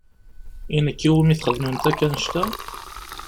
I nekk i wumi txedmemt akk annect-a?